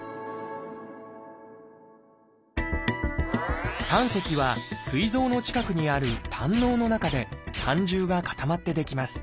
でも「胆石」はすい臓の近くにある胆のうの中で胆汁が固まって出来ます。